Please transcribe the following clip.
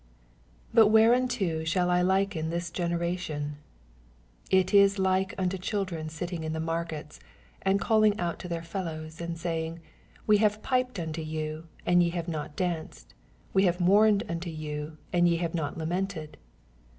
16 Bat whereunto shall I liken this feneration f It is like unto children Bittinff in the marketa, and calling onto their feUowa, 17 And saving, We have piped unto jon, and ye nave not danced : we have monmed nnto you, and ye nave not lamented.